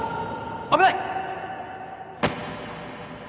危ない！